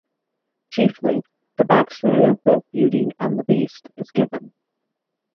Chiefly, the backstory of both Beauty and the Beast is given.